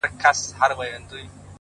علم انسان ته حقیقي ځواک ورکوي,